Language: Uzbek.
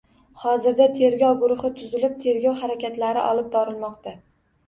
Hozirda tergov guruhi tuzilib, tergov harakatlari olib borilmoqda